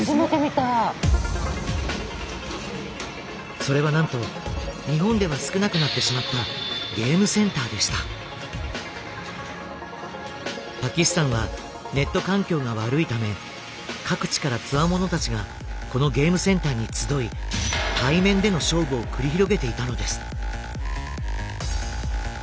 それはなんと日本では少なくなってしまったパキスタンはネット環境が悪いため各地からつわものたちがこのゲームセンターに集い対面での勝負を繰り広げていたのです。